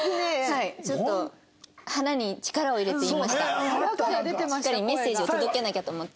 はいちょっとしっかりメッセージを届けなきゃと思って。